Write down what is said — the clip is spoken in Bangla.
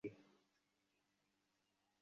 বিপ্রদাস বললে, পিসি, কুমুকে খেতে বলবে না?